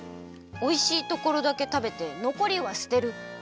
おいしいところだけたべてのこりは捨てる。